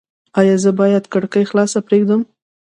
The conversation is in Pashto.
ایا زه باید کړکۍ خلاصه پریږدم؟